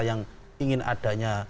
yang ingin adanya